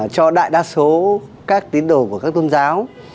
cho đại đa số các tín đồ của các tôn giáo